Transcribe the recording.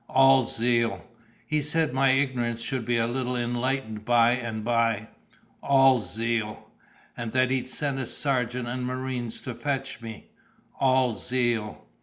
"All zeal." "He said my ignorance should be a little enlightened by and by." "All zeal." "And that he'd send a sergeant and marines to fetch me." "All zeal."